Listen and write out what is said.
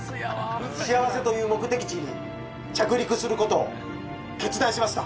幸せという目的地に着陸することを決断しました。